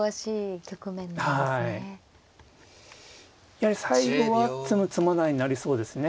やはり最後は詰む詰まないになりそうですね。